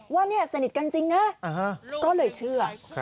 ว่านี่สนิทกันจริงนะก็เลยเชื่อ